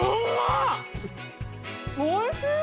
おいしい！